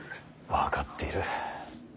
分かっている。